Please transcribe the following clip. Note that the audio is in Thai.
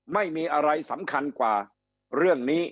ไม่มีอะไรสำคัญกว่าเรื่องนี้